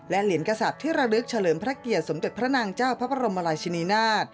และเหรียญกระสาปที่ระลึกเฉลิมพระเกียรติสมเติบพระนางเจ้าพระบรมไลเฉนีนาธ